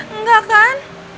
hah nggak kan